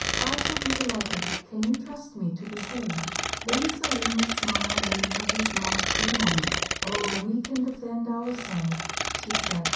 "I shall be delighted. Can you trust me to behave?" Lady Selina's smile made her his match for the moment. "Oh! we can defend ourselves!" she said.